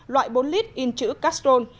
loại bốn lít in chữ castrol